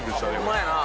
ホンマやな。